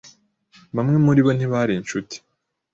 Bamwe muribo ntibari inshuti.